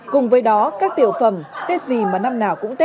cùng với đó các tiểu phẩm tết gì mà năm nào cũng chú ý